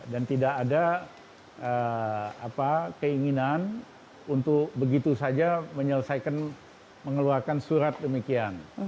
dan tidak ada keinginan untuk begitu saja menyelesaikan mengeluarkan surat demikian